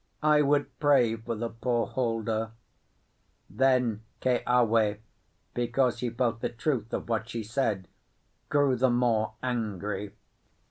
I would pray for the poor holder." Then Keawe, because he felt the truth of what she said, grew the more angry.